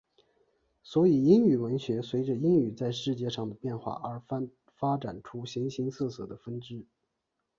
所以英语文学随着英语在世界上的变化而发展出了形形色色的分支。